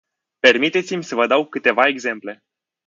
Permiteți-mi să vă dau câteva exemple.